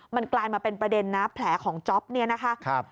มันกลายมาเป็นประเด็นนะแผลของจ๊อปเนี่ยนะคะ